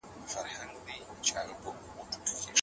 دا صنایع د ښځو لپاره د کار زمینه برابروي.